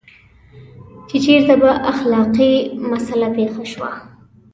چې چېرته به اختلافي مسله پېښه شوه.